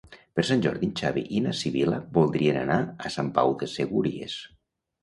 Per Sant Jordi en Xavi i na Sibil·la voldrien anar a Sant Pau de Segúries.